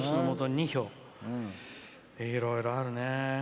いろいろあるね。